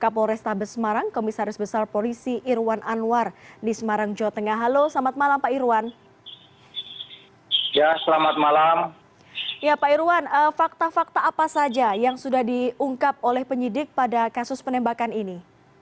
pak irwan fakta fakta apa saja yang sudah diungkap oleh penyidik pada kasus penembakan ini